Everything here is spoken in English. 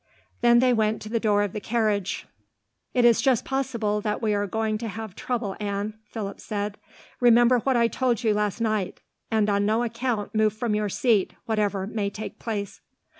Then they went to the door of the carriage. "It is just possible that we are going to have trouble, Anne," Philip said. "Remember what I told you last night, and on no account move from your seat, whatever may take place."